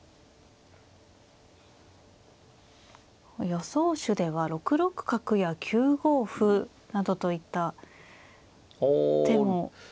予想手では６六角や９五歩などといった手も出ています。